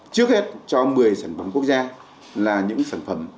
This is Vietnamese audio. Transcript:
trước hết cho một mươi sản phẩm quốc gia là những sản phẩm